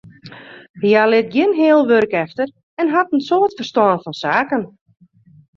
Hja lit gjin heal wurk efter en hat in soad ferstân fan saken.